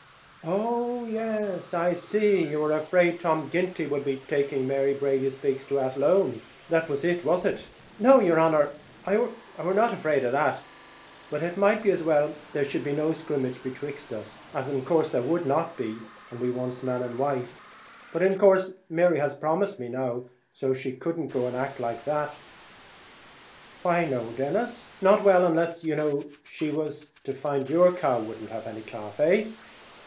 "Oh yes, I see; you were afraid Tom Ginty would be taking Mary Brady's pigs to Athlone. That was it, was it?" "No, yer honer, I war not afraid of that; but it might be as well there should be no scrimmage betwixt us, as in course there would not be, and we oncet man and wife. But as in course Mary has promised me now, she could not go and act like that." "Why no, Denis, not well; unless, you know, she was to find your cow would not have any calf; eh?"